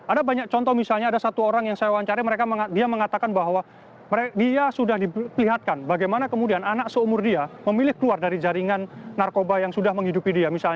ada banyak contoh misalnya ada satu orang yang saya wawancari dia mengatakan bahwa dia sudah diperlihatkan bagaimana kemudian anak seumur dia memilih keluar dari jaringan narkoba yang sudah menghidupi dia